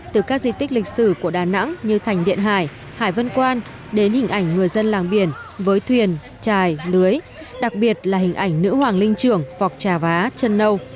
từ các di tích lịch sử của đà nẵng như thành điện hải vân quan đến hình ảnh người dân làng biển với thuyền trài lưới đặc biệt là hình ảnh nữ hoàng linh trưởng vọc trà vá chân nâu